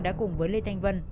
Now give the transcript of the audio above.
đã cùng với lê thanh vân